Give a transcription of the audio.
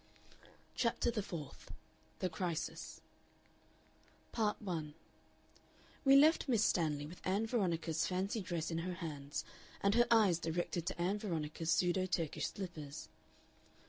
CHAPTER THE FOURTH THE CRISIS Part 1 We left Miss Stanley with Ann Veronica's fancy dress in her hands and her eyes directed to Ann Veronica's pseudo Turkish slippers.